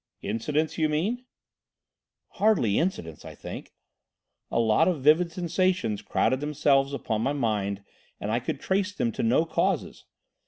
"Incidents, you mean?" "Hardly incidents, I think. A lot of vivid sensations crowded themselves upon my mind and I could trace them to no causes.